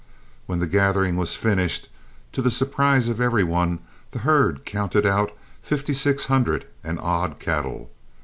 When the gathering was finished, to the surprise of every one the herd counted out fifty six hundred and odd cattle.